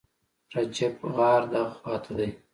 رجیب، غار دغه خواته دی.